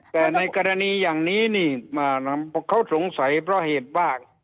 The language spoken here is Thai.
แต่ในกรณีอย่างนี้นี่เขาสงสัยเพราะเหตุว่า